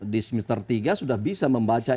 di semester tiga sudah bisa membaca